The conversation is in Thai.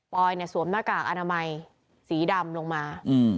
อยเนี่ยสวมหน้ากากอนามัยสีดำลงมา